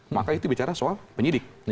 maka itu bicara soal penyidik